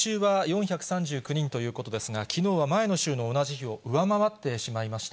先週は４３９人ということですが、きのうは前の週の同じ日を上回ってしまいました。